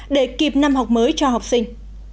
để kịp năm học mới cho học sinh